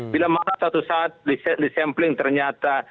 bila mana suatu saat disampling ternyata